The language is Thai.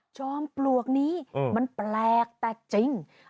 จอมปลวกนี้มันแปลกแต่จริง